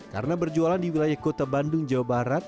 karena berjualan di wilayah kota bandung jawa barat